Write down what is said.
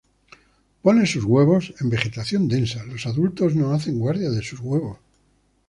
Pone sus huevos en vegetación densa, los adultos no hacen guardia de sus huevos.